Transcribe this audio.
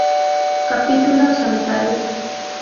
Capítulos solitarios.